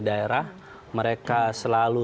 daerah mereka selalu